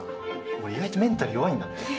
俺意外とメンタル弱いんだって。